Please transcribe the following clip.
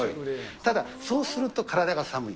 ただ、そうすると体が寒い。